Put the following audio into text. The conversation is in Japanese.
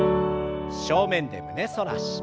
正面で胸反らし。